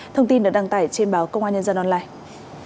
thông tin được đăng tải trên báo công an nhân dân online